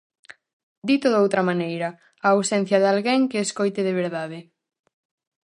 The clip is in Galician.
Dito doutra maneira: a ausencia de alguén que escoite de verdade.